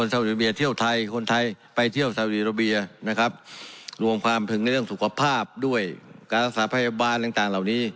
นะครับรวมความถึงในเรื่องสุขภาพด้วยการทักษะพยาบาลต่างเหล่านี้